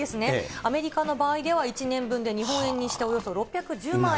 アメリカの場合では１年分で日本円にしておよそ６１０万円。